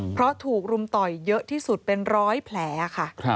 เพราะถูกรุมต่อยเยอะที่สุดเป็นร้อยแผลค่ะ